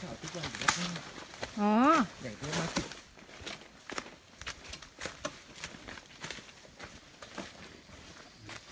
สวัสดีครับสวัสดีครับสวัสดีครับ